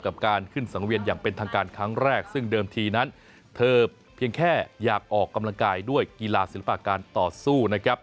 กับการขึ้นสังเวียนอย่างเป็นทางการครั้งแรกซึ่งเดิมทีนั้นเธอเพียงแค่อยากออกกำลังกายด้วยกีฬาศิลปะการต่อสู้นะครับ